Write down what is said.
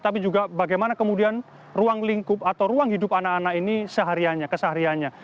tapi juga bagaimana kemudian ruang lingkup atau ruang hidup anak anak ini kesehariannya